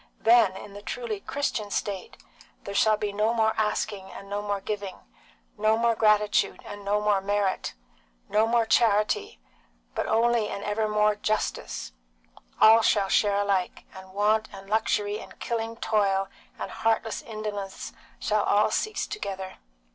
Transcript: Then, in the truly Christian state, there shall be no more asking and no more giving, no more gratitude and no more merit, no more charity, but only and evermore justice; all shall share alike, and want and luxury and killing toil and heartless indolence shall all cease together.